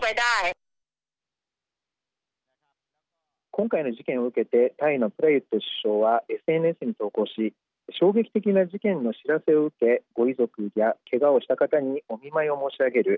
今回の事件を受けてタイのプラユット首相はＳＮＳに投稿し衝撃的な事件の知らせを受けご遺族や、けがをした方にお見舞いを申し上げる。